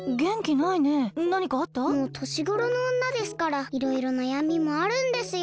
もうとしごろのおんなですからいろいろなやみもあるんですよ。